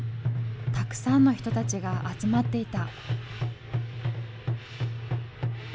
たくさんの人たちが集まっていた。